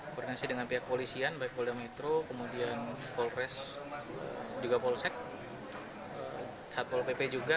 koordinasi dengan pihak polisian baik poliametro polpres polsek satpol pp juga